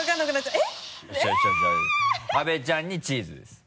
阿部ちゃんにチーズです。